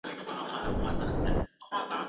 تــر ستـرګو بـد ايـسو